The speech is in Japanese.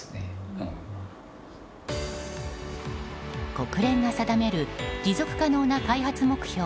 国連が定める持続可能な開発目標